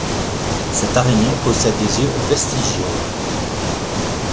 Cette araignée possède des yeux vestigiaux.